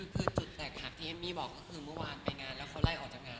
คือจุดแตกหักที่เอมมี่บอกก็คือเมื่อวานไปงานแล้วเขาไล่ออกจากงาน